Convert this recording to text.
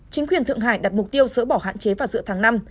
chính quyền thượng hải đặt mục tiêu sỡ bỏ hạn chế vào giữa tháng năm